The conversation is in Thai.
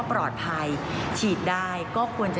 ก็คือเป็นการสร้างภูมิต้านทานหมู่ทั่วโลกด้วยค่ะ